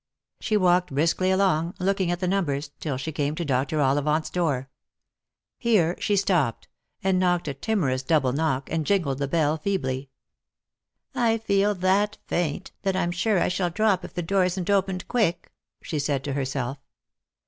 She walked briskly along, looking at the numbers, till she came to Dr. Ollivant's door. Here she stopped, and knocked a timorous double knock, and jingled the bell feebly. " I feel that faint, that I'm sure I shall drop if the door isn't opened quick," she said to herself.